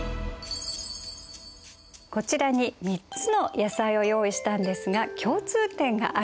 こちらに３つの野菜を用意したんですが共通点があるんです。